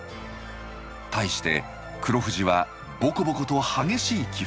対して黒富士はボコボコと激しい起伏。